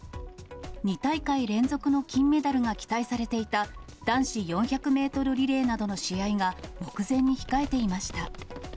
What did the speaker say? ２大会連続の金メダルが期待されていた、男子４００メートルリレーなどの試合が、目前に控えていました。